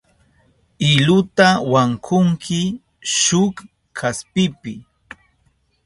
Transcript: Iluta wankunki shuk kaspipi.